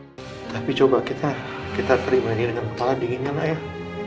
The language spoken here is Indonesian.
hai tapi coba kita kita terima ini dengan kepala dingin kan ayah